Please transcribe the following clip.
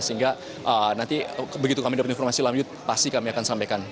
sehingga nanti begitu kami dapat informasi lanjut pasti kami akan sampaikan